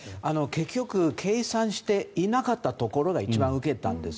結局計算していなかったところが一番受けたんです。